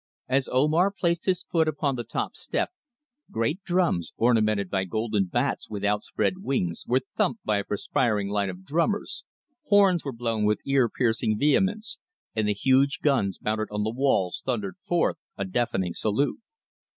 As Omar placed his foot upon the top step, great drums, ornamented by golden bats with outspread wings, were thumped by a perspiring line of drummers, horns were blown with ear piercing vehemence, and the huge guns mounted on the walls thundered forth a deafening salute.